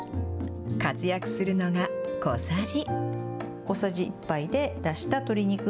活躍するのが小さじ。